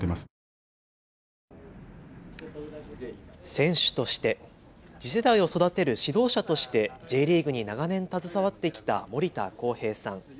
選手として、次世代を育てる指導者としてＪリーグに長年携わってきた盛田剛平さん。